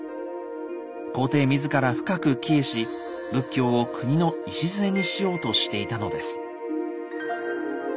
皇帝自ら深く帰依し仏教を国の礎にしようとしていたのです。